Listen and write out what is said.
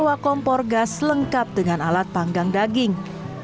membawa kompor gas lengkap dengan alat panggang daging